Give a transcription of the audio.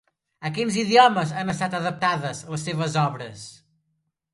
A quins idiomes han estat adaptades, les seves obres?